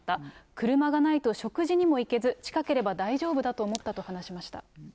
車がないと食事にも行けず、近ければ大丈夫だと思ったと話しまし